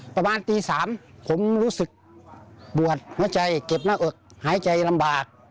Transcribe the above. ประมาณตี๓ผมรู้สึกปวดหัวใจเก็บหน้าอกหายใจลำบาก